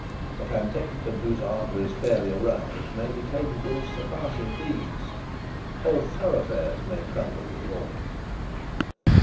A pantechnicon whose ardour is fairly aroused may be capable of surpassing deeds. Whole thoroughfares might crumble before it.